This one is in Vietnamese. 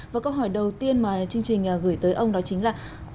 và câu hỏi đầu tiên mà chương trình gửi tới ông đó chính là